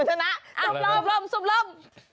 ท่านพรุณชนะสูบ